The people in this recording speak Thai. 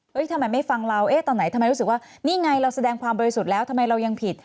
เฮ้ยทำไมไม่ฟังเราตอนไหนทำว่านี่ไงแล้วเราสำเร็จความบริสุทธิ์แล้วทำไมเรายังผิด